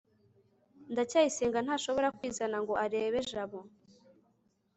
ndacyayisenga ntashobora kwizana ngo arebe jabo